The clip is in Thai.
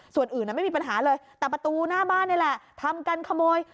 ส่วนอื่นไม่มีปัญหาเลยแต่ประตูหน้าบ้านนี่แหละทำกันขโมย